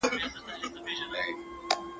o د پيشي غول دارو سوه، پيشي په خاورو کي پټ کړه.